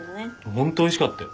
ホントおいしかったよ。